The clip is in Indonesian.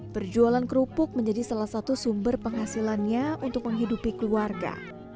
berjualan kerupuk menjadi salah satu sumber penghasilannya untuk menghidupi keluarga